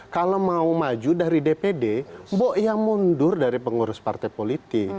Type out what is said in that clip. kalau mau maju dari dpd mbok ya mundur dari pengurus partai politik